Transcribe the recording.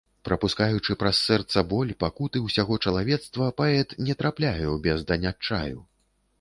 Прапускаючы праз сэрца боль, пакуты ўсяго чалавецтва, паэт не трапляе ў бездань адчаю.